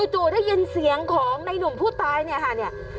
จู่ได้ยินเสียงของในหนุ่มผู้ตายเนี่ยค่ะเนี่ย